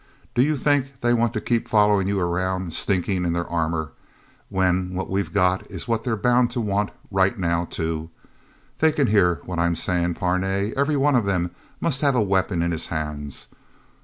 Do you think they want to keep following you around, stinking in their armor when what we've got is what they're bound to want, right now, too? They can hear what I'm saying, Parnay. Every one of them must have a weapon in his hands.